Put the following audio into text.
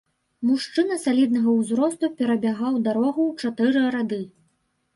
Мужчына саліднага ўзросту перабягаў дарогу ў чатыры рады.